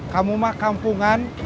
kamu mah kampungan